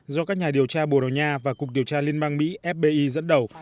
do các nhà điều tra bồ đào nha và cục điều tra liên bang mỹ fbi dẫn đầu